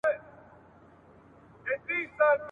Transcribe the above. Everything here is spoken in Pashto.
خلکو اسلام دی درته راغلی ,